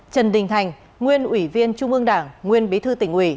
trần đình thành nguyên ủy viên trung ương đảng nguyên bí thư tỉnh ủy